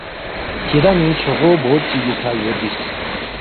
کِھدان٘ی چھوغو بورڈ چِگی کھہ یو ربِس